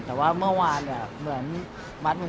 แต่ว่าเมื่อวานเนี่ยเหมือนที่มาตรงนี้